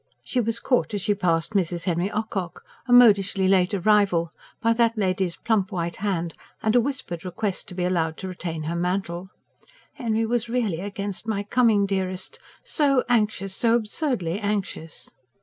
She was caught, as she passed Mrs. Henry Ocock, a modishly late arrival, by that lady's plump white hand, and a whispered request to be allowed to retain her mantle. "Henry was really against my coming, dearest. So anxious ... so absurdly anxious!"